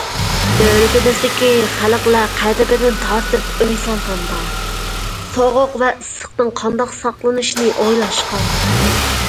دۆلىتىمىزدىكى خەلقلەر قەدىمدىن تارتىپ ئۆي سالغاندا، سوغۇق ۋە ئىسسىقتىن قانداق ساقلىنىشنى ئويلاشقان.